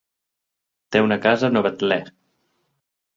Té una casa a Novetlè.